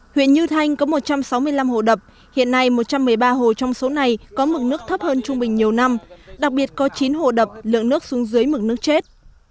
huyện như thanh có một trăm sáu mươi năm hồ đập hiện nay một trăm một mươi ba hồ trong số này có mực nước thấp hơn trung bình nhiều năm đặc biệt có chín hồ đập lượng nước xuống dưới mực nước chết